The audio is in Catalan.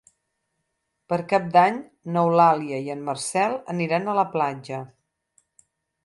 Per Cap d'Any n'Eulàlia i en Marcel aniran a la platja.